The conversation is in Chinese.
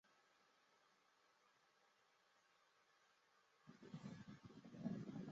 致密硬皮腹菌是属于地星目硬皮腹菌科硬皮腹菌属的一种担子菌。